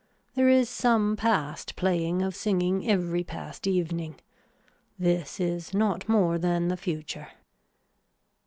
There is some past playing of singing every past evening. This is not more than the future.